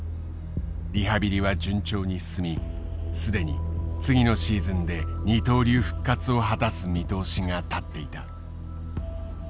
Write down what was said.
リハビリは順調に進み既に次のシーズンで二刀流復活を果たす見通しが立っていた。